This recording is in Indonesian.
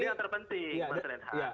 ini yang terpenting pak tren ha